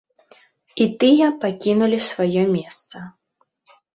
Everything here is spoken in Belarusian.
І тыя пакінулі сваё месца.